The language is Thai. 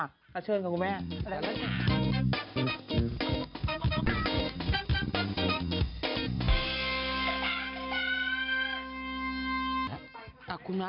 นะเชิญค่ะคุณแม่